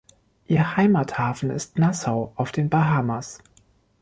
Ihr Heimathafen ist Nassau auf den Bahamas.